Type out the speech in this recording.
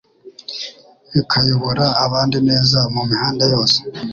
Bikayobora abandi neza mumihanda yose